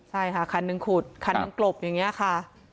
ใช่ค่ะคันนึงขุดคันนึงกรบอย่างเงี้ยค่ะ